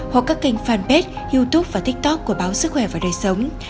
hoặc các kênh fanpage youtube và tiktok của báo sức khỏe và đời sống